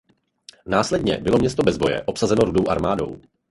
Následně bylo město bez boje obsazeno Rudou armádou.